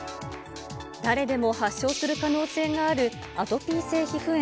誰でも発症する可能性があるアトピー性皮膚炎。